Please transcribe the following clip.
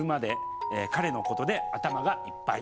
彼のことで頭がいっぱい。